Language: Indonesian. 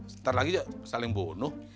ntar lagi jok saling bunuh